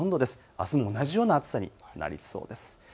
あすも同じような暑さになりそうです。